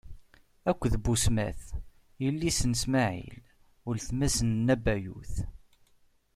Akked Busmat, yelli-s n Ismaɛil, weltma-s n Nabayut.